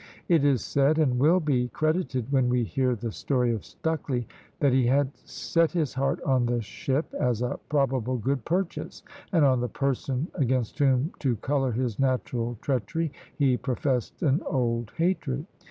It is said (and will be credited, when we hear the story of Stucley), that he had set his heart on the ship, as a probable good purchase; and on the person, against whom, to colour his natural treachery, he professed an old hatred.